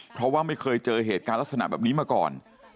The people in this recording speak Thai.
เพราะว่าไม่เคยเจอเหตุการณ์ลักษณะแบบนี้มาก่อน